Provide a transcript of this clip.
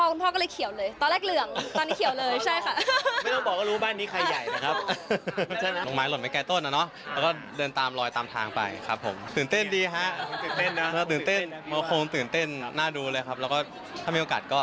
คุณพ่อก็เลยเขี่ยวเลยตอนแรกเหลืองตอน